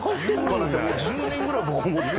１０年ぐらい僕思ってる。